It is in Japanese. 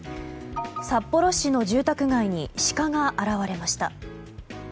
札幌市の住宅街にシカが現れました。